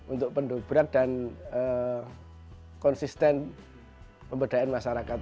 untuk pendobrak dan konsisten pembedaan masyarakat ini